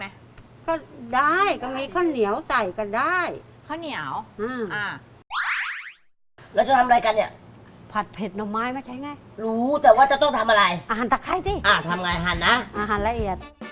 อ่าทำไงอาหารอาหารละเอียด